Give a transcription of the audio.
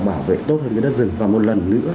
bảo vệ tốt hơn cái đất rừng và một lần nữa